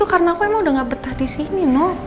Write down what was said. karena saya sudah tidak berpindah kembali